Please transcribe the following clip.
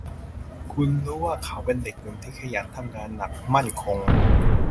คุณรู้ว่าเขาเป็นเด็กหนุ่มที่ขยันทำงานหนัก มั่นคง